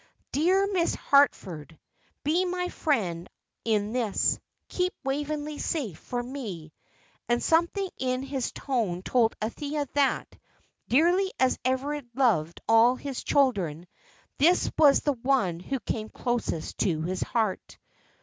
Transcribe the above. "Dear Miss Harford, be my friend in this; keep Waveney safe for me." And something in his tone told Althea that, dearly as Everard loved all his children, this was the one who came closest to his heart.